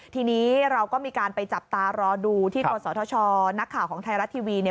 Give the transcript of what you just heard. ทีนี้เราก็มีการไปจับตารอดูที่กศธชนักข่าวของไทยรัฐทีวี